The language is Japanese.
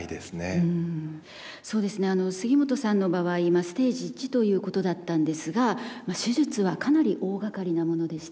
杉本さんの場合ステージ１ということだったんですが手術はかなり大がかりなものでしたね。